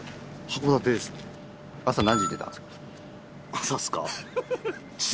朝っすか？